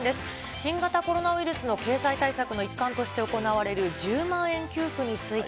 新型コロナウイルスの経済対策の一環として行われる１０万円給付について。